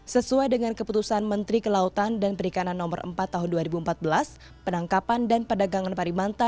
sesuai dengan keputusan menteri kelautan dan perikanan no empat tahun dua ribu empat belas penangkapan dan perdagangan parimanta